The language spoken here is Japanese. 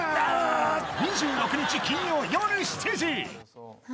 ２６日金曜夜７時。